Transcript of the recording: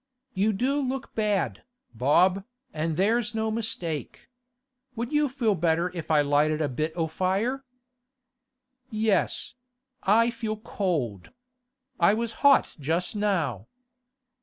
You do look bad, Bob, an' there's no mistake. Would you feel better if I lighted a bit o' fire?' 'Yes; I feel cold. I was hot just now.